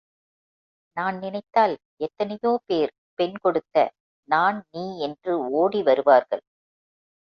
நான் நினைத்தால் எத்தனையோ பேர் பெண் கொடுக்க நான் நீ யென்று ஓடி வருவார்கள்.